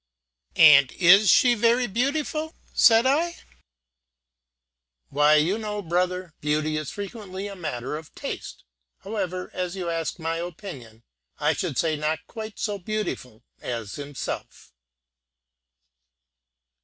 '" "And is she very beautiful?" said I. "Why, you know, brother, beauty is frequently a matter of taste; however, as you ask my opinion, I should say not quite so beautiful as himself."